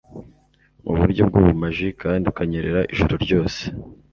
mu buryo bw'ubumaji kandi ukanyerera ijoro ryose